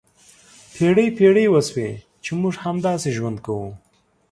پېړۍ پېړۍ وشوې چې موږ همداسې ژوند کوو.